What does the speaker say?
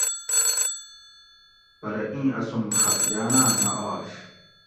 پرہ ایں اسوم خفگاۤناۤں نہ آش